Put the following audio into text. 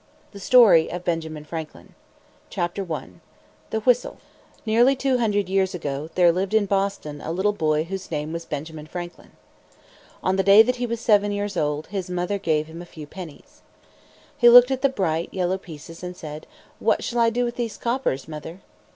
THE STORY OF BENJAMIN FRANKLIN. I. THE WHISTLE. Nearly two hundred years ago, there lived in Boston a little boy whose name was Benjamin Franklin. On the day that he was seven years old, his mother gave him a few pennies. He looked at the bright, yellow pieces and said, "What shall I do with these coppers, mother?"